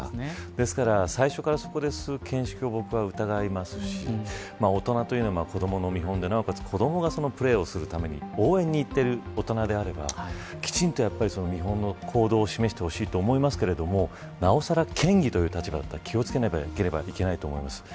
ですから、最初からそこで吸う見識を僕は疑いますし大人というのは子どもの見本ですしなおかつ子どもがプレーをするために応援に行っている大人であればきちんと見本の行動を示してほしいと思いますけれどもなおさら県議という立場だったら気を付けなければいけないと思います。